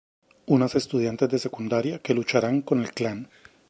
Unas estudiantes de secundaria, que lucharán con el clan.